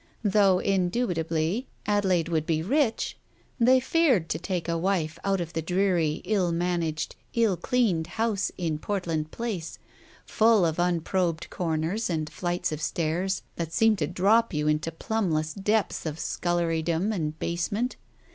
Though, indubitably, Adelaide would be rich, they feared to take a wife out of the dreary, ill managed, ill cleaned house in Portland Place, full of unprobed corners and flights of stairs that seemed to drop you into plumbless depths of scullerydom and basement.